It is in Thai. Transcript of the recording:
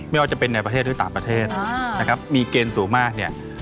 ไม่ว่าจะเป็นในประเทศหรือต่างประเทศนะครับมีเกณฑ์สูงมากเนี่ย